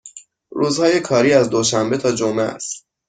روزهای کاری از دوشنبه تا جمعه است.